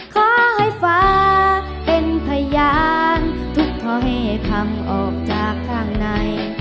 ขอให้ฟ้าเป็นพยานทุกถ้อยคำออกจากข้างใน